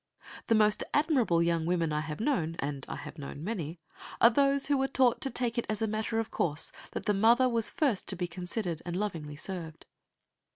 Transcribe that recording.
The most admirable young women I have known and I have known many are those who were taught to take it as a matter of course that the mother was first to be considered, and lovingly served.